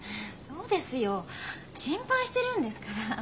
そうですよ心配してるんですから。